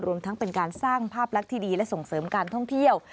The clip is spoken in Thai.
รวมทั้งเป็นการสร้างภาพลักษณ์ที่ดีและส่งเสริมการท่องเที่ยว